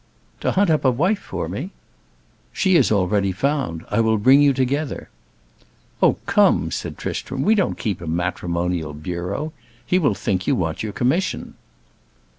"To hunt up a wife for me?" "She is already found. I will bring you together." "Oh, come," said Tristram, "we don't keep a matrimonial bureau. He will think you want your commission."